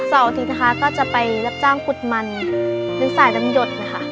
เสาร์อาทิตย์นะคะก็จะไปรับจ้างกุฎมันหรือสายน้ำหยดนะคะ